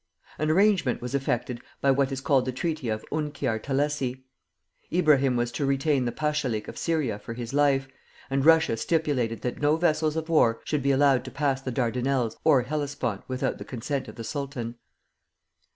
An arrangement was effected by what is called the treaty of Unkiar Thelessi. Ibrahim was to retain the pashalik of Syria for his life, and Russia stipulated that no vessels of war should be allowed to pass the Dardanelles or Hellespont without the consent of the sultan.